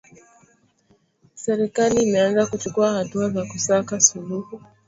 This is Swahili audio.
serikali imeanza kuchukua hatua za kusaka suluhu